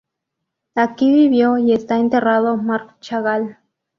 Aquí vivió y está enterrado Marc Chagall.